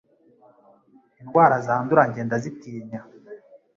Indwara zandura njye ndazitinya